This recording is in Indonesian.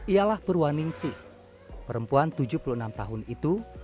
ialah perwa ning sih perempuan tujuh puluh enam tahun itu